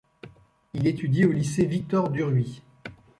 Il étudie au lycée Victor-Duruy.